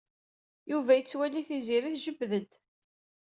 Yuba yettwali Tiziri tjebbed-d.